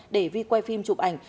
để vy quay phim chụp ảnh